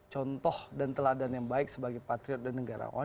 contoh dan teladan yang baik sebagai patriot dan negarawan